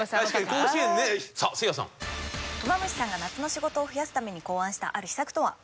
クマムシさんが夏の仕事を増やすために考案したある秘策とは？